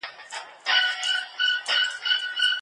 هغه نجلۍ په خپلو ځوابونو کې ډېره سنجیده ثابته شوه.